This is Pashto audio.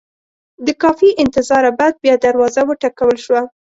د کافي انتظاره بعد بیا دروازه وټکول شوه.